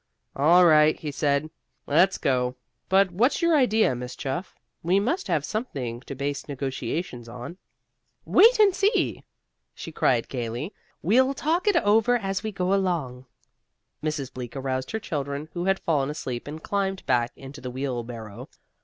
"All right," he said. "Let's go. But what's your idea, Miss Chuff? We must have something to base negotiations on." "Wait and see," she cried gayly. "We'll talk it over as we go along." Mrs. Bleak aroused her children, who had fallen asleep, and climbed back into the wheelbarrow.